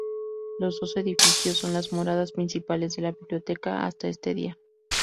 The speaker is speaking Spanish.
Los dos edificios son las moradas principales de la biblioteca hasta este día.